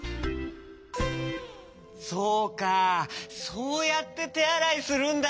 そうやっててあらいするんだ。